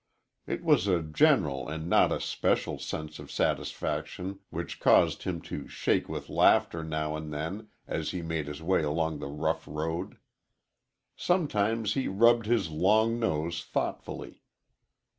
It was a general and not a special sense of satisfaction which caused him to shake with laughter now and then as he made his way along the rough road. Sometimes he rubbed his long nose thoughtfully.